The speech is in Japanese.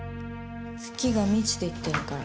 月が満ちていってるから。